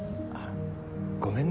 ごめんね。